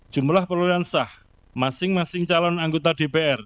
jumlah perolehan sah masing masing calon anggota dpr